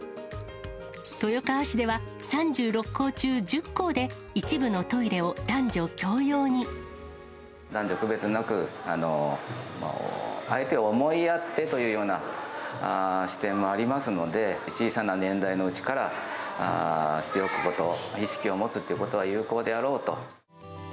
豊川市では、３６校中１０校で、男女区別なく、相手を思いやってというような視点もありますので、小さな年代のうちからしておくこと、意識を持つっていうことは、有効であろうと。